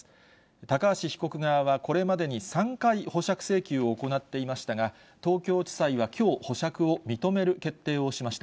高橋被告側は、これまでに３回保釈請求を行っていましたが、東京地裁は、きょう保釈を認める決定をしました。